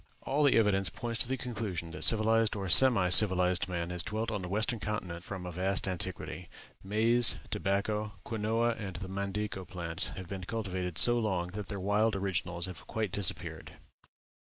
All the evidence points to the conclusion that civilized or semi civilized man has dwelt on the western continent from a vast antiquity. Maize, tobacco, quinoa, and the mandico plants have been cultivated so long that their wild originals have quite disappeared.